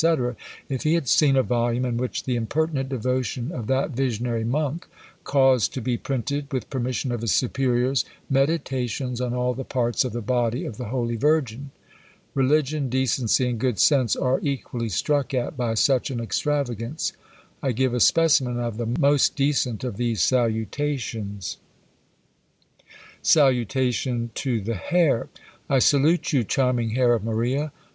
_ if he had seen a volume in which the impertinent devotion of that visionary monk caused to be printed, with permission of his superiors, Meditations on all the Parts of the Body of the Holy Virgin? Religion, decency, and good sense, are equally struck at by such an extravagance." I give a specimen of the most decent of these salutations. Salutation to the Hair. "I salute you, charming hair of Maria!